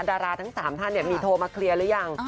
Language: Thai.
ดาราทั้ง๓ท่านมีโทรมาเคลียร์หรือยัง